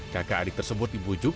kakak adik tersebut dibujuk